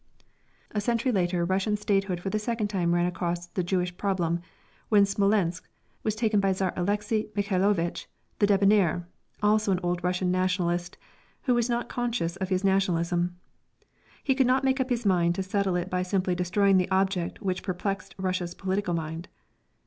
A century later Russian statehood for the second time ran across the Jewish problem when Smolensk was taken by Czar Alexyey Mikhaylovich the Debonnaire, also an old Russian nationalist who was not conscious of his nationalism. He could not make up his mind to settle it by simply destroying the object which perplexed Russia's political mind.